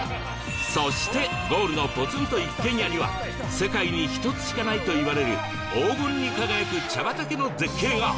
そしてゴールのポツンと一軒家には世界に一つしかないといわれる黄金に輝く茶畑の絶景が